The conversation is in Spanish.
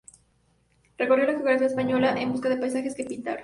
Recorrió la geografía española en busca de paisajes que pintar.